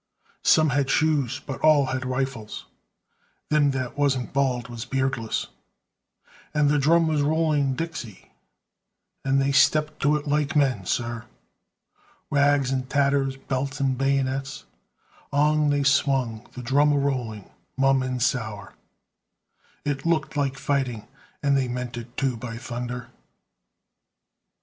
"Some had shoes, but all had rifles, Them that wasn't bald was beardless, And the drum was rolling 'Dixie,' And they stepped to it like men, sir! "Rags and tatters, belts and bayonets, On they swung, the drum a rolling, Mum and sour. It looked like fighting, And they meant it too, by thunder!"